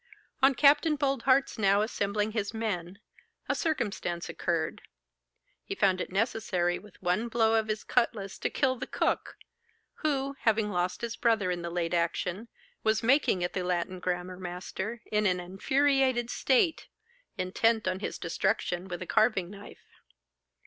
On Capt. Boldheart's now assembling his men, a circumstance occurred. He found it necessary with one blow of his cutlass to kill the cook, who, having lost his brother in the late action, was making at the Latin grammar master in an infuriated state, intent on his destruction with a carving knife.